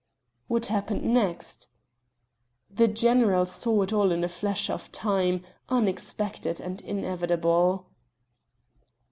What happened next?... The general saw it all in a flash of time unexpected, and inevitable.